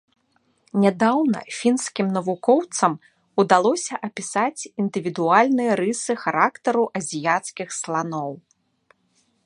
Нядаўна фінскім навукоўцам удалося апісаць індывідуальныя рысы характару азіяцкіх сланоў.